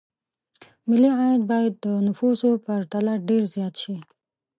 ملي عاید باید د نفوسو په پرتله ډېر زیات شي.